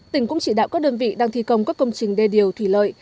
tỉnh cũng chỉ đạo các đơn vị đang thi công các công trình đê điều thủy lợi